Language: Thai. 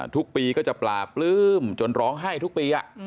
ทุกปีก็จะปลาปลื้มจนร้องไห้ทุกปี